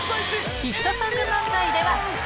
ヒットソング漫才では。